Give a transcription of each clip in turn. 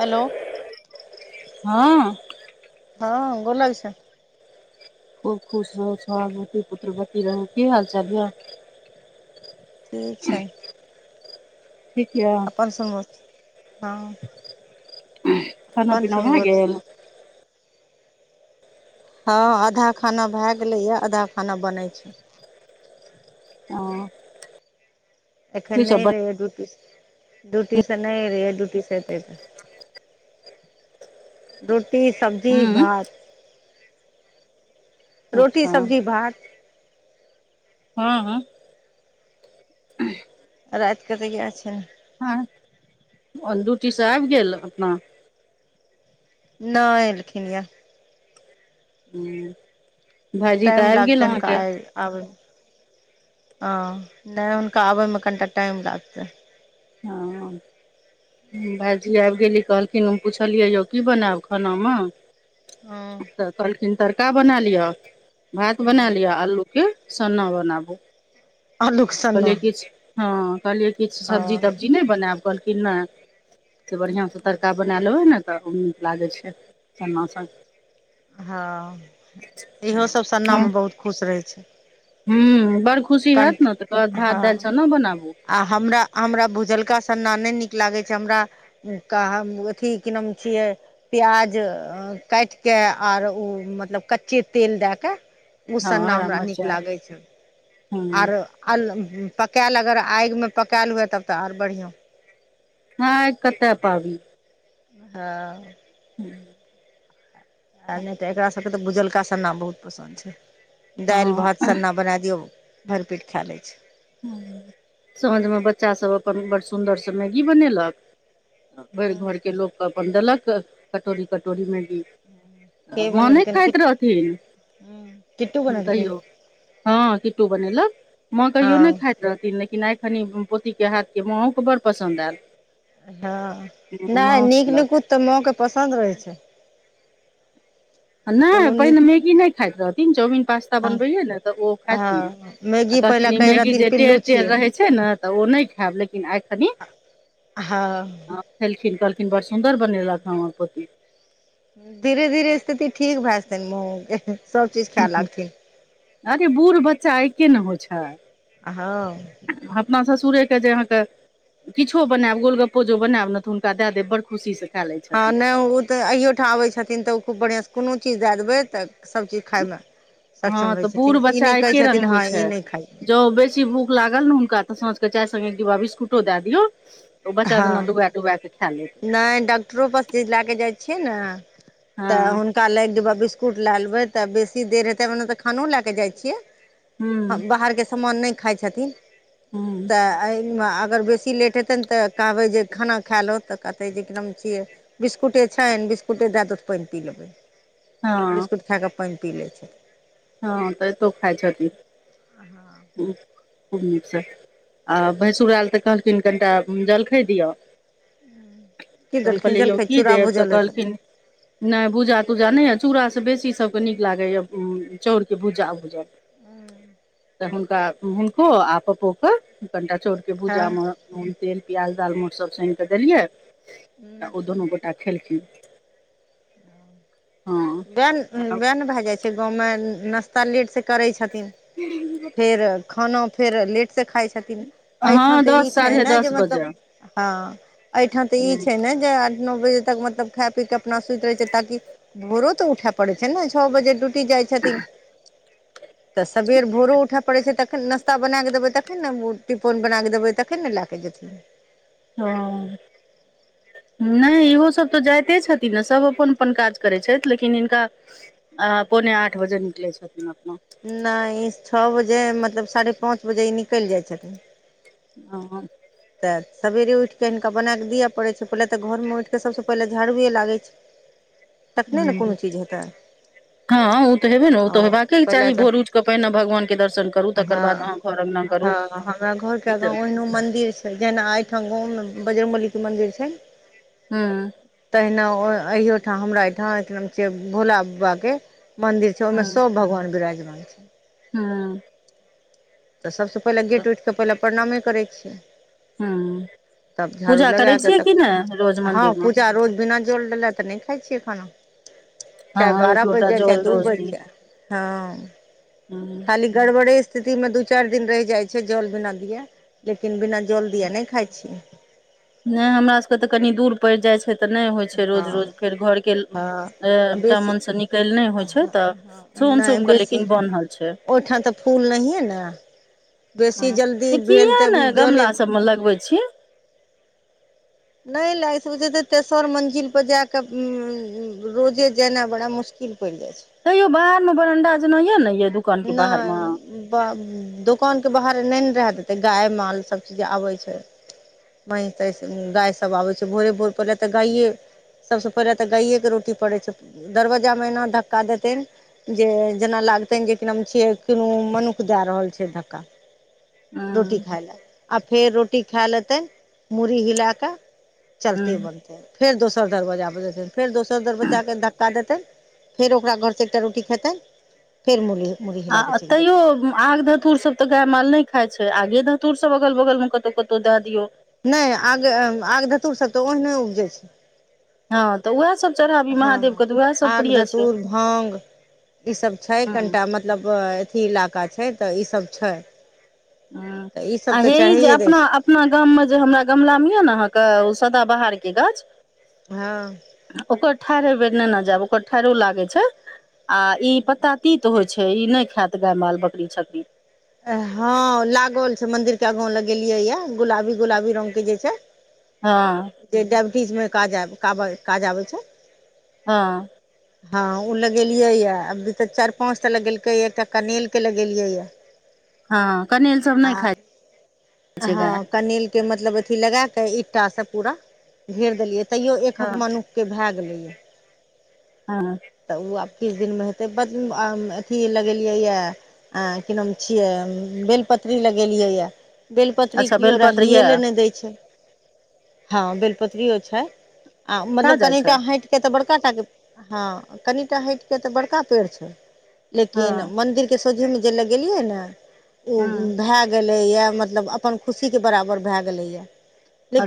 Hello. ह ह गोल लगि छि यन खूब खुश रहू सोहग बाटी पुत्र बती रहू की हाल चल या ठीक छै। ठीक या कोनस ह खाना पीना भऽ सुनबोथ गेल हा आधा खाना भए गेलैए आधा खाना बनैत छै हा एखन नहि रहैयए ड्यूटी ड्यूटीसँ नहि रहैए ड्यूटीसँ एतै त रोटी सब्जी बन भात। रोटी अच्छा सब्जी भात। ह ह रातिके तऽ इएह छै ह अदूटी दुटी से आबि गेल अपना नहि लिखिनय भाजी तऽ आबि गेल अहाँकेँ आबै ह नहि हुनका आबैमे कनिटा टाइम लागतै ह भाजी आबि गेली कहलखिन हम पुछलियै यौ कि बनायब खाना मे हँ तऽ कहलखिन तड़का बना लिआ भात हँ बना लिआ आल्लू के सना बनाबू आलू। कहलियै किछु हँ कहलियै किछु ओ सब्जी तब्जी नहि बनायब कहलखिन नै से बढ़िआसँ तड़का बना लेबै ने तऽ ओ नीक लागै छै चन्ना सभ हँ इहो सभ सनामे बहुत खुश रहै छै ह बड़ खुशी कन होत ने तऽ कर कह बाद भात हँ दालिसँ ने बनाबू हमरा हमरा भुजलका सन्ना नहि नीक लागैत छै हमरा कह हम अथी कि नाम छियै प्याज काटि कऽ आर ओ मतलब कच्चे तेल दय कऽ उ हँ सन्ना हरा हमरा नीक मरचाइ लागै छै हूँ आरो अल-पकायल अगर आगिमे पका लेबै तऽ तब तऽ आर बढ़ियाँ हाँ कतऽ पाबि [unintelligible] हूँ आ नहि तऽ एकरा सभकेँ तऽ भुजलका सन्ना बहुत पसन्द छै दालि हँ भात सन्ना बना दियौ भरपेट खा लै छै साँझमे बच्चा सभ अपन बड्ड सुन्दरसँ मैगी बनेलक भरि हूँ घर के लोकके अपन देलक कटोरी कटोरी मे भी के माँ नै बनेलखिन खाइत रहथिन किट्टू बनेलखिन कहियो हाँ किट्टू बनेलक माँ कहियो हँ नहि खाइत रहथिन लेकिन आइखनि पोतीके हाथके माँओके बड्ड पसन्द आएल हाँ नहि नीक नकुत तऽ माँके पसन्द रहै छै नहि कोनो नीक पहिने मैगी नहि खाइत रहथिन चाउमिन पास्ता बनबैयै न तऽ ओ खाथिन हँ आ मैगी पहिले कहथिन कहै मैगी रहथिन जे पिल्लू टेढ़ टेढ़ छियै रहै छै ने तऽ ओ नहि खायब लेकिन आइखनि हाँ हाँ खेलखिन कहलखिन बड़ सुन्दर बनेलक हँ हमर पोती धीरे धीरे स्थिति ठीक भए जेतै माँअ के सबचीज खायए लगथिन अरे बूढ़ बच्चा ऐके न होइ छै हाँ अपना ससुरेके जे अहाँके किछो बनाएब गोलगप्पो जो बनाएब न तऽ हुनका दैय देब बड़ खुशी स हहाँ नहि ओ तऽ अहियो ठाम आबे छथिन तऽ ओ खूब बढ़ियाँ से कोनो चीज दैय देबै तऽ सब चीज खाएमे हँ सक्षम रहै तऽ बूढ़ छथिन ई नहि कहै छथिन हाँ ई नहि खाइ ज्यों बेसी भूख लागल न हुनका तऽ सांझकऽ चाय सङ्गे एक डिब्बा बिस्कुटो दए दियौ ओ बच्चा हँ जेना डूबाए डूबाए नहि डॉक्टरो पास लाएके जाइ छियै न तऽ हँ हूँन ताले एक डिब्बा बिस्कुट लए लेबै तऽ बेसी देर हेतै ओनतऽ खानो लाए कऽ जाइ छियै हूँ हाँ बाहरके समान नै खाइ छथिन हूँ तऽ एहिमे अगर बेसी लेट हेतैन तऽ कहबै जे खाना खा लौथ तऽ कहतै जे की हम छियै बिस्कुटे छैन बिस्कुटे दए दौथ पैइन पी लेबै हँ बिस्कुट खा कऽ पैइन पी लेबै हाँ एतो खाइ छथिन [unintelligible] हूँ खुब नीक सँ आ भैंसुर आएल तऽ कहलखिन कनिटा जलखै दिअ की तऽ हम देलखिन कहलियै यौ जलखै की चूड़ा देब तऽ भुजल हेतै कहलखिन नहि भूजा तूजा नहि याऽ चूड़ासँ बेसी सभके नीक लागैए या चाउरके भूजा भूजल तऽ हुनका हुनको आ पपो केऽ कनिटा चाउर के हँ भूजामे नून तेल प्याज दालमोट सब सैन कऽ देलियै आ ओ दुनू गोटे आ खेलखिन हँ वएह वएह न भए जाइ छै गाँवमे नाश्ता लेटसे करै छथिन फेर खानो फेर लेट से खाइ छथिन एहिठाम हँ तऽ ई दस छै साढ़े ने जे दस बजे मतलब हाँ एहिठाम तऽ ई छै ने जे आठ नओ बजे तक मतलब खा पी के अपना सुति रहै छै ताकि भोरो तऽ उठाय पड़ै छै ने छअ बजे ड्यूटी जाइ छथिन तऽ सबेर भोरो उठय पड़ै छै तखन नास्ता बनाके देबै तखन ने टिफोन बना के देबै तखन ने ला भे जेथि ह [inaudible] नहि इहोसभ तऽ जाइते छथिन ने सभ अपन अपन काज करैत छथिन लेकिन हिनका। आ पौने आठ बजे निकल छथिन अपना। नहि ई छओ बजे मतलब साढ़े पाँच बजे ई निकलि जाई छथिन। हा तऽ सवेरे उठि कऽ हिनका बनाए कऽ दिअ पड़ै छै पहिले तऽ घर मे उठि कऽ सभसँ पहिले झाड़ुए लागै छै। तखने ने कोनो चीज हेते ह ओ तऽ हेबे ने ओ तऽ हेबाके चाही तऽ भोर उठकेऽ पहिने भगवान के दर्शन करू तकर बाद अहाँ घर अङ्गना ह करू हमरा घर के ई आगा तऽ ओहनो मंदिर जेना एहिठाम गाव मे बजर्गबलीके मन्दिर छै। ह तहिना अहिोठाम हमरा एहिहिठाम एक नाम छै भोला बाबाके। मंदिर छै ओहिमे हँ सभ भगवान विराजमान छै। हँ। तऽ सभसँ पहिले गेट उठि कऽ पहिले प्रणामे करे छियै। हँ तब झाड़ू पूजा करै लगा कऽ छियै कि ने रोज तऽ हँ मंदिर मे पूजा रोज बिना। जोल ले तऽ नहि खाई छियै खाना चाहे हँ बारह एक बाजि लोटा जाए चाहे जल दू रोज बाजि दी जाए। हँ। हँ। खाली गड़बड़े स्थिति मे दू चारि दिन रहि जाई छै जल बिना दि। लेकिन बिना जल दिए नहि खाई छी। नहि हमरा सभके तऽ कनी दूर पड़ि जाई छै। तऽ नहि होई छै रोज हँ रोज फेर घरके हँ टा बेसी मनसँ निकलि नहि होई छै तऽ। सोम नहि सोम के बेसी लेकिन बनल छै ओहिठाम तऽ फूल नहिए न बेसी जल्दी भेल किया तऽ ने जले। गमला सबमे लगबै छी नहि लाग से तऽ तेसर मंजिल पर जाक रोजे जेना बड़ा मुश्किल। प जाई छै। हैयौ बाहर मे बरडा जेना या ने दुकान के बाहर मे। दोकान के बाहर नहि ने रह देते गाय माल सभ चीज आबै छै। महंस तैस गायसभ आबै छै भोरे भोर पहिले तऽ गाए। सभसँ पहिले तऽ गाइएके रोटी पड़ै छै दरवजाजा महिना धक्का देतनि। जे जेना लागतनि जे कि नाम छिय किनु मनुख दए रहल छै धक्का। ह रोटी खाय लऽ आ फेर रोटी खाए लेतै मुरही हिला कऽ। चलते ह बनतै फेर दोसर दरवाजापर जेतै फेर दोसर दरवाजाके धक्का देतै। फेर ओक घरसँ एकटा रोटी खेते। फेर मल। आ तैयो आग धतुर सभ। तऽ गाय माल नहि खाई छै आगे ध तूर सभ अगल बगल मे कतौ कतौ दए दियौ। नहि आग आग धतुर सभ तऽ ओहने उपजै छै। हँ तऽ उएह सभ चढ़ाबी महादेवके तऽ वएह सभ प्रिय छै। हा ई सभ छै ह कनिटा मतलब अथी इलाका छै तऽ ई सभ छै। तऽ ईसभ हा तऽ जे चढ़ैए दै अपना। छै अपना गाम मे जे हमरा गमला मे य ने अहाँके ओ सदा बाहर के गाछ हँ ओकर ठार ह बेर नेने जायब ओकर ठरो लागे छै आ ई पतता तीत होय छै छै ई नय खायत गाय माल बकरी छकरी हँ लागल छै मंदिर के आगाँं लग गेलियै य गुलाबी गुलाबी रंग के जे छै हँ जे डायबिटीज मे काज काब काज आबै छै हँ [inaudible] हँ ओ लगेलिय यऽ अभी तऽ चार पाँच टा लगेलकै य एकटा कनैेल के लगेलियै यऽ हँ कनैल सब नय खाइ छै गाय हँ कनैल के मतलब अथी लगा के ईटा से पूरा घेर देलियै तैयो हँ एकक मनुषके भए गेलैए हँ तऽ ओ आब किछु दिनमे हेतै ब अथी लगेलियैए आ कि नाम छियै बेलपत्री लगेलियैए बेलपत्री अच्छा केओ बेलपत्र रहहिए यऽ ले नय दै छै हँ बेलपत्रियो छै आ खा मतलब जाइ छै कनिटा हैट ड़ कनि हट त बड़का पेड़ छै हँ लेकिन मंदिर सझे मे जे लगियै न उ हँ भऽ गेल [unintelligible] या मतलब अपन खुशी के बराबर भए गेले या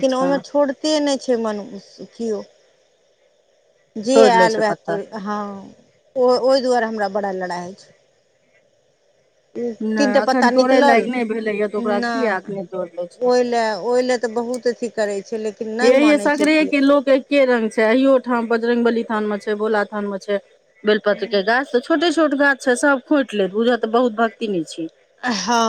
लेकिन ओहिमे छोड़ते नय छै मनुष्य केओ जे तोड़ि लै आयल छै वएह पत्ता तो हँ ओ ओय दुआरे हमरा बड़ा लड़ाइ होइ छै तीन टा नहि पत्ता एखन तोड़य निकलल लायक नहि भेलैए तऽ ओकरा नय किया एखने तोड़ि लै छै ओहि ल ओहि ल तऽ बहुत [unintelligible] करै छै लेकिन हे नहि यै मानै छै सगरेै के लोक के रंग छै अहियो ठाम बजरंग बली थान में छै बोलाथान मे छै बेलपत्र केओ के गाछ सब छोटे छोट गाछ छै सब खोइट लेत बुझ तऽ बहुत भक्तिनी छी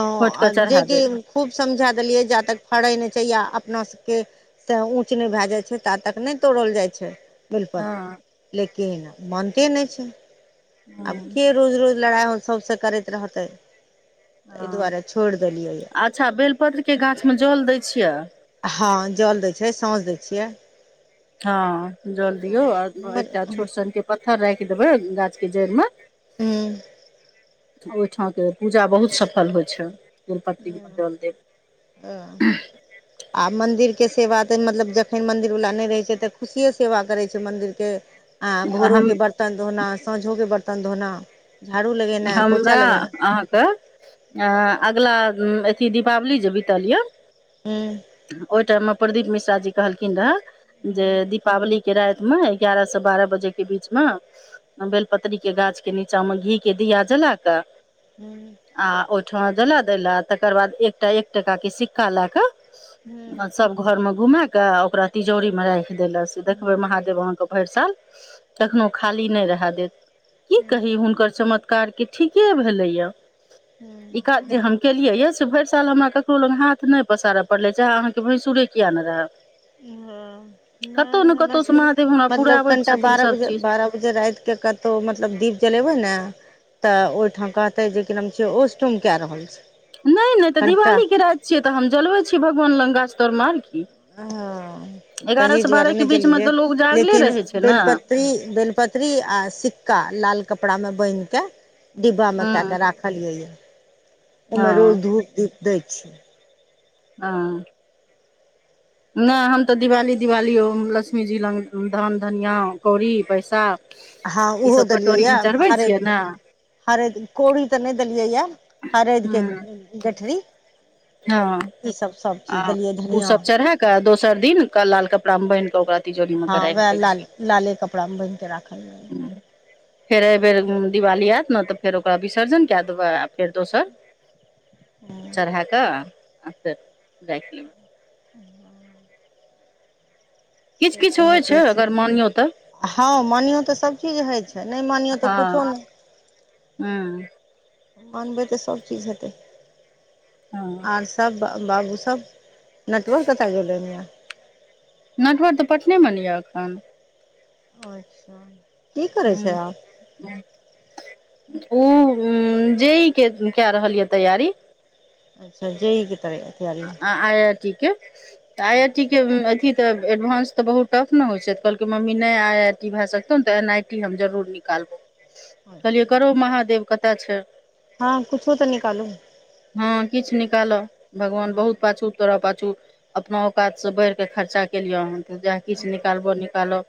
खोंट कऽ जे चढ़ा कि देत खूब समझा देलियै जा तक फड़ै नय छै या अपना सभके तै ऊँच नय भए जाइ छै ता तक नय तोड़ल जाइ छै बिल हँ लेकिन मानते नय छै आब हँ के रोज रोज लड़ाइ हो सबसे करैत रहतै एहि हँ दुआरे छोड़ि देलियै यए अच्छा बेलपत्रके गाछ मे जल दै छियै हँ जल दै छै साँझ दैत छियै हँ जल दियौ हँ आ हमर एकटा छोट सनके पत्थर राखि देबै गाछ के जड़ मे हूँ ओहिठामके पूजा बहुत सफल होइ छै तेलपत्रिकमे जल ह देब [unintelligible] आ मन्दिर के सेवा तऽ मतलब जखन मन्दिरवला नय रहै छै तऽ खुशिए सेवा करै छै मन्दिरके आ भोरो हम के बर्तन धोना सााँंझों के बर्तन धोना झाड़ू लगे हमरा अहाँके अगला अथी दीपावली जे बीतल यऽ हँ ओय टाइम मे प्रदीप मिश्रा जी कहलखिन रहए हूँ जे दीपावली के रात मे एगारह से बारह बजे के बीच मे बेल पत्री के गाछ के नीचा में घी गेल दिया जलाग [inaudible] आ ओहिठमा जला द ला तकर बाद एकटा एक टाका के सिक्का ले क हूँ सब घरमे घुम कऽ ओकरा तिजौरीमे रैख देलक से देखबै हूँ महादेव अहाँ साल कखनो खाली नै रहे देत की कही हुनकर चमतकार के ठीके भेले या ई जे हम केलिय यए से भैर साल हमरा ककरो लग हाथ नै पसारय पड़ले चाहे अहाँके भैंसुरे किया नै रहय ह नै कतहु ने हमरा कतहुसँ सब महादेव हमरा मतलब पुराबैत कनिटा छथिन बारह सभ बजे चीज बारह बे जे रातिके कतहु मतलब दीप जलेबै ने तऽ ओहिठाम कहतै जे कि नाम छिय ओस्टु्कए रहल छै नै नै तऽ कनिटा दिवालीके राति छियै तऽ हम जलबै छी भगवान लग गाछ तरमे आार की हँ ताहि एगारह से दुआरे बारह नहि के बीचमे तऽ लोक जागले रहै छै ने ी बेलपत्री आ सिक्का लाल कपड़ा में बैनह के डिब्बा मे एकटा हँ के राख खलियै यऽ ओहिमे रोज हँ धूप दीप दै छी हॅं नै हम तऽ दिवाली दिवाली लक्ष्मीजी लग धान धनिआ कौड़ी पैसा हँं ई ओहो सब देलियै कटोरी यए मे चढ़बै छियै हरैदिकके ने हरैद कौड़ी तऽ नै देलियै यए हरैद ह के गठरी हँ ईसभ सब चीज आ देलियै ओ धनिया सब चढ़ा दोसर दिन क लाल कपड़ा बैधह कऽ ओकरा तिजोरी मे हँ के राखि वएह लाल लाले कपड़ा मे बैनह के राखल हँ फेर एहिबेर दिवाली आयत ने तऽ फेर ओकरा विसर्जन केए देबै आ फेर दोसर चरहा कऽ आ फेर रैख लेब [inaudible] किछ से किछ तऽ होइ होइते छै अगर मानियौ तऽ हँ मानियौ तऽ सभचीज होइत छै नै मानियौ तऽ हँ किछो नै हँ मानबै तऽ सभचीज हेतै हँ आर सब बाबू सब नेटवर्क कतऽ गेललेन यऽ नटहर तऽ पटनेमे ने यऽ एखन अच्छा की करै हूँ छै आब ओ जे ई ‌के केरहल यऽ तैयारी अच्छा जे ई क तर तैयरी आइ आइ टी के आइ आइ टी के अथ तऽ एडवान्स तऽ बहुत टफ न होइ छै तऽ कहलकै मम्मी नै आइ आइ टी भए सकतौ ने तऽ एन आइ टी हम जरूर निकालबौ कहलियए अच्छा करो महादेव कतय छै हँ कुछो तऽ निकालू हँ किछ निकालह भगवान हँ बहुत पाछू तोरा पाछू अपना औकात से बढ़िके खर्चा केलियै हन जे किछ निकालबो निकालब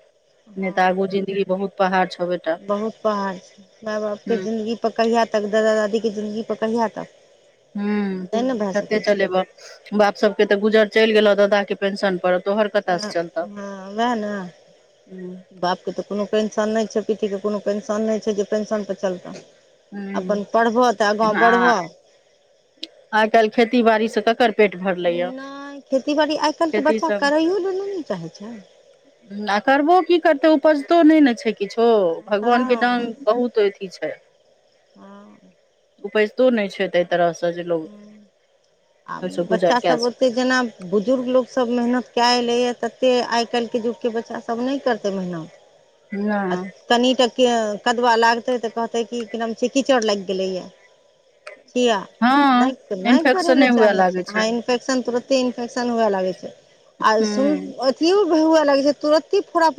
ने तऽ हँ आगू जिंदगी बहुत पहाड़ छबे बहुत पहाड़ छै माय बाप के जिंन्दगी प कहिया तक दादा दादी जिन्दगी प कहिया तक हूँ नै ने भए कते सकै छै चलेबह बाप सब के तऽ गुजर चैल गेलो दादा के पेंशन परड़ तोहर कत स चलतऽ हँ वएह ने हुॅं बापके तऽ कोनो पेंशन नय छै पीठीके कोनो पेंशन नय छै जे पेंशन पर चलतै हूँ अपन पढ़बह तऽ आगाँ आ बढ़बह आइ काल्ह खेती बाड़ीसँ ककर पेट भरलैया नय खेती बाड़ी आइ काल्ह के खेती बच्चा सब करैयो लए नय ने चाहैत छै आ करबो की करतै उपजतो नय ने छै किछो हँ भगवानके डांग बहुतथि ई छै हँ उपजितो नय छै ताहि तरहसँ जे लोक हूँ आ ओहिसँ गुजर कए बच्चासभ सकै ओतेक जेना बुजुर्ग लोकसभ मेहनत कए एलैएा तते आइकाल्हिके युगके बच्चासभ नय करतै मेहनत आ नहि कनिटा के कदवा लागतै तऽ कहतै क नाम छै कीचड़ लाइग गेलैए जिया नय हँ क नय करै लए इन्फेक्शने हुए चाहे लागै छै आइन इन्फेक्शन तुरते इन्फेक्शन हुए लागै छै आ हूँ सुन किव हुआ लगे छै तुरते फोरा